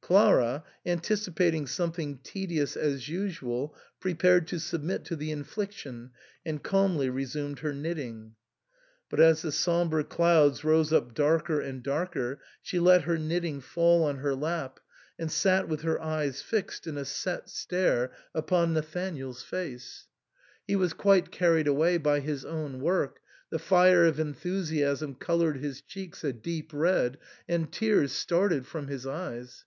Clara, anticipating something tedious as usual, prepared to submit to the infliction, and calmly resumed her knit ting. But as the sombre clouds rose up darker and darker she let her knitting fall on her lap and sat with her eyes fixed in a set stare upon Nathanael's face. 194 THE SAND'MAN. He was quite carried away by his own work, the fire of enthusiasm coloured his cheeks a deep red, and tears started from his eyes.